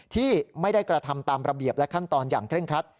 ที่ไม่ได้กระทำตามระเบียบและขั้นตอนอย่างเคร่งครัด